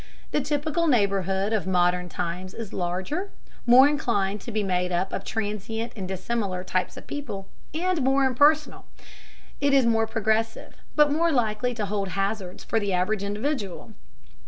The typical neighborhood of modern times is larger, more inclined to be made up of transient and dissimilar types of people, and more impersonal. It is more progressive, but more likely to hold hazards for the average individual.